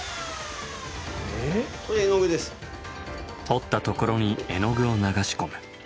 彫ったところに絵の具を流し込む。